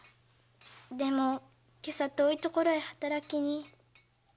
でも今朝遠い所へ働きに。